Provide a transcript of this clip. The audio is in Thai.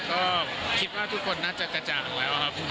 ก็คิดว่าทุกคนน่าจะกระจ่างแล้วครับ